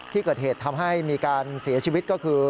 ที่เกิดเหตุทำให้มีการเสียชีวิตก็คือ